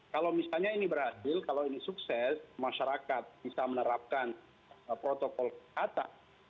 kalau misalnya ini berhasil kalau ini sukses masyarakat bisa menerapkan protokol kesehatan